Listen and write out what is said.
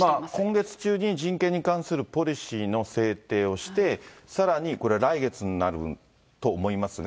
今月中に人権に関するポリシーの制定をして、さらにこれ、来月になると思いますが、